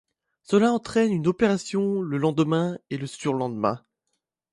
Cela entraîne une opération le lendemain et le surlendemain.